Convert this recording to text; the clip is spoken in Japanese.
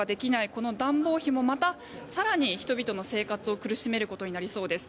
この暖房費もまた更に人々の生活を苦しめることになりそうです。